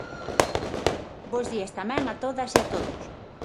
Bos días tamén a todas e a todos.